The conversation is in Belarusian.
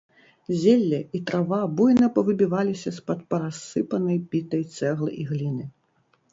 Зелле і трава буйна павыбіваліся з-пад парассыпанай бітай цэглы і гліны.